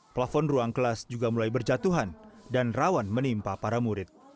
plafon ruang kelas juga mulai berjatuhan dan rawan menimpa para murid